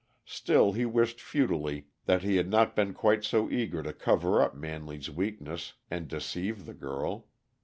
Still, he wished futilely that he had not been quite so eager to cover up Manley's weakness and deceive the girl.